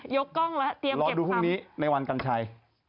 กล้องแล้วเตรียมรอดูพรุ่งนี้ในวันกัญชัย